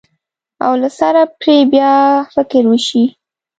او له سره پرې بیا فکر وشي.